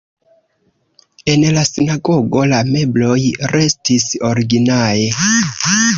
En la sinagogo la mebloj restis originaj.